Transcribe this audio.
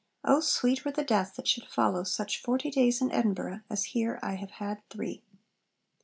O sweet were the death that should follow such forty days in Edinburgh as here I have had three!'